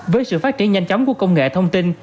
với sự phát triển nhanh chóng của công nghệ thông tin